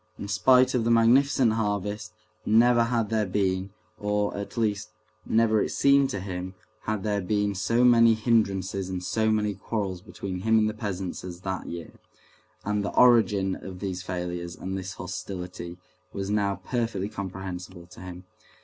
In spite of the magnificent harvest, never had there been, or, at least, never it seemed to him, had there been so many hindrances and so many quarrels between him and the peasants as that year, and the origin of these failures and this hostility was now perfectly comprehensible to him.